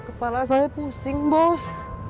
aku minta ya tuhan dibahas